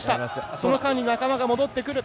その間に仲間が戻ってくる。